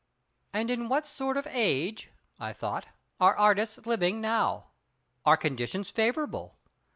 And in what sort of age—I thought—are artists living now? Are conditions favourable?